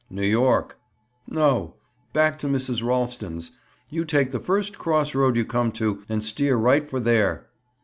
"New York." "No; back to Mrs. Ralston's. You take the first cross road you come to and steer right for there."